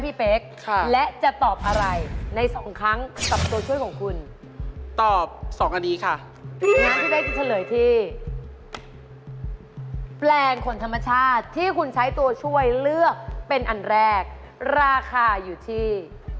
แปลงขนธรรมชาติที่คุณใช้ตัวช่วยเลือกเป็นอันแรกราคาอยู่ที่